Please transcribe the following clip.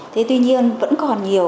thế tuy nhiên vẫn còn nhiều